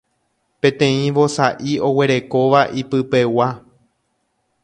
peteĩ vosa'i oguerekóva ipypegua